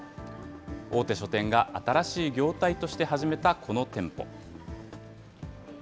大手書店が新しい業態として始めたこの店舗。